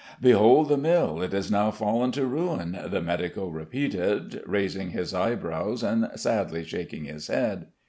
"Behold the mill, it is now fall'n to ruin," the medico repeated, raising his eyebrows and sadly shaking his head.